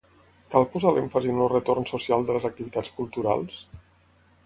Cal posar l'èmfasi en el retorn social de les activitats culturals?